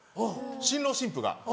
新郎新婦が。